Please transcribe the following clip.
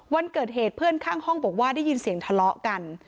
วันเกิดเหตุเพื่อนข้างห้องบอกว่าได้ยินเสียงทะเลาะกัน